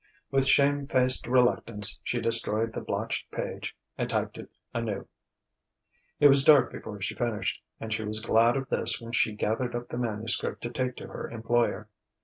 With shame faced reluctance she destroyed the blotched page and typed it anew. It was dark before she finished; and she was glad of this when she gathered up the manuscript to take to her employer.